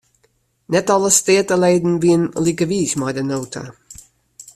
Net alle steateleden wienen like wiis mei de nota.